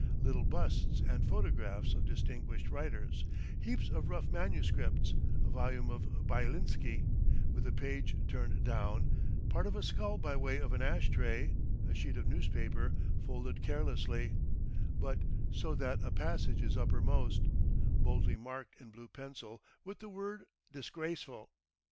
Little busts and photographs of distinguished writers, heaps of rough manuscripts, a volume of Byelinsky with a page turned down, part of a skull by way of an ash tray, a sheet of newspaper folded carelessly, but so that a passage is uppermost, boldly marked in blue pencil with the word "disgraceful."